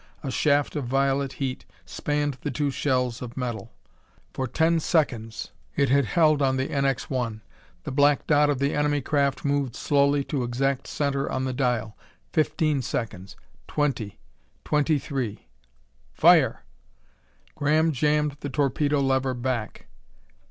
A shaft of violet heat spanned the two shells of metal. For ten seconds it had held on the NX 1. The black dot of the enemy craft moved slowly to exact center on the dial. Fifteen seconds ... twenty ... twenty three "Fire!" Graham jammed the torpedo lever back.